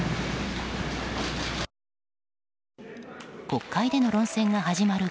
国会での論戦が始まる